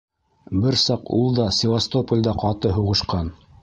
- Бер саҡ ул да Севастополдә ҡаты һуғышҡан.